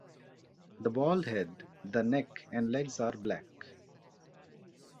The bald head, the neck and legs are black.